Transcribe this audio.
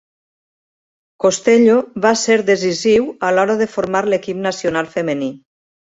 Costello va ser decisiu a l'hora de formar l'equip nacional femení.